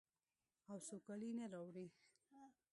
او سوکالي نه راوړي.